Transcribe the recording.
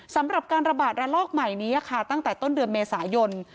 สำหรับการระบาดระลอกใหม่นี้ค่ะตั้งแต่ต้นเดือนเมษายน